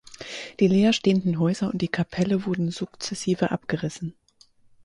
Die leerstehenden Häuser und die Kapelle wurden sukzessive abgerissen.